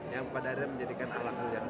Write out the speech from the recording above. yang padahal menjadikan alaqul yang terlambung